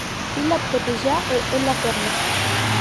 Il la protégea et elle l'affermit.